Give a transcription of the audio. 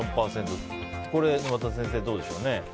これ、沼田先生どうでしょうね。